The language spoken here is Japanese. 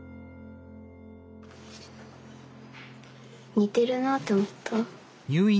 似てるなあと思った。